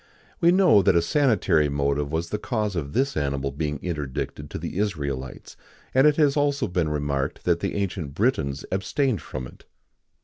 [XIX 87] We know that a sanitary motive was the cause of this animal being interdicted to the Israelites;[XIX 88] and it has been also remarked that the ancient Britons abstained from it.